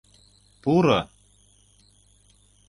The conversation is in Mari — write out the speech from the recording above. Пуро!